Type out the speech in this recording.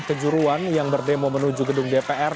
kejuruan yang berdemo menuju gedung dpr